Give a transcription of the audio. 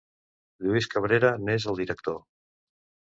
Lluís Cabrera n'és el director.